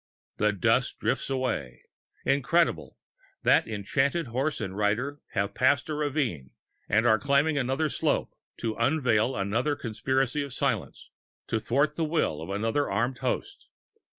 The dust drifts away. Incredible! that enchanted horse and rider have passed a ravine and are climbing another slope to unveil another conspiracy of silence, to thwart the will of another armed host.